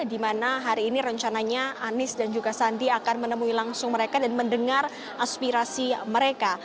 di mana hari ini rencananya anies dan juga sandi akan menemui langsung mereka dan mendengar aspirasi mereka